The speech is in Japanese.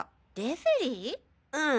うん。